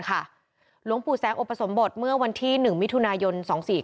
หลวงปู่แสงอุปสมบทเมื่อวันที่๑มิถุนายน๒๔๔